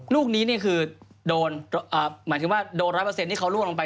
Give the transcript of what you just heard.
ลูกนี้คือโดน๑๐๐เปอร์เซ็ทของเขาลงไป